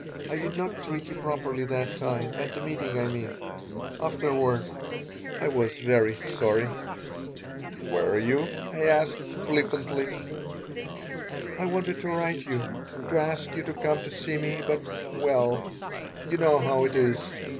I did not treat you properly that time at the meeting, I mean. Afterward I was very sorry." "Were you?" I asked, flippantly. "I wanted to write you, to ask you to come to see me, but well, you know how it is.